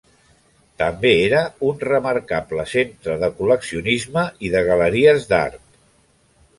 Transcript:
També era un remarcable centre de col·leccionisme i de galeries d'art.